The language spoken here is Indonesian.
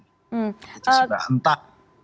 kita sudah hentak